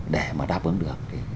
để mà đáp ứng được